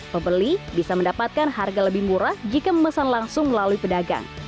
pembeli bisa mendapatkan harga lebih murah jika memesan langsung melalui pedagang